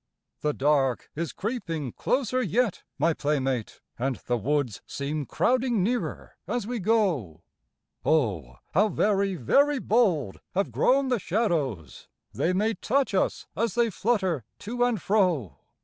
The dark is creeping closer yet, my playmate, And the woods seem crowding nearer as we go, Oh, how very, very bold have grown the shadows, They may touch us as they flutter to and fro!